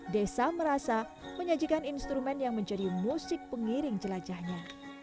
desa merasa menyajikan instrumen yang menjadi musik pengiring jelajahnya